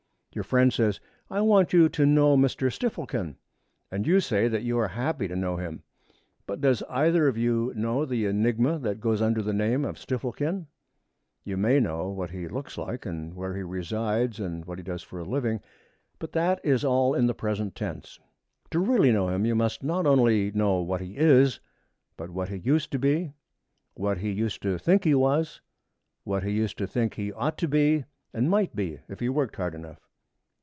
Your friend says, 'I want you to know Mr. Stifflekin,' and you say that you are happy to know him. But does either of you know the enigma that goes under the name of Stifflekin? You may know what he looks like and where he resides and what he does for a living. But that is all in the present tense. To really know him you must not only know what he is but what he used to be; what he used to think he was; what he used to think he ought to be and might be if he worked hard enough.